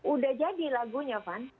udah jadi lagunya van